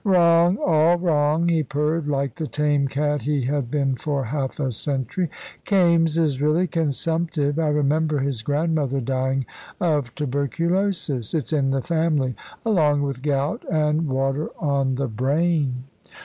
"Wrong! All wrong," he purred, like the tame cat he had been for half a century. "Kaimes is really consumptive. I remember his grandmother dying of tuberculosis. It's in the family, along with gout and water on the brain."